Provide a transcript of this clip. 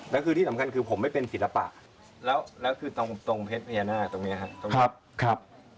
แล้วคือที่สำคัญคือผมไม่เป็นศิลปะแล้วคือตรงเพชรพญานาคตรงนี้ครับตรงนี้ครับ